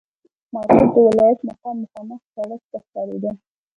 مارکېټ د ولایت مقام مخامخ سړک ته ښکارېده.